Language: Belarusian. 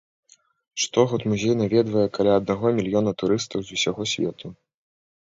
Штогод музей наведвае каля аднаго мільёна турыстаў з усяго свету.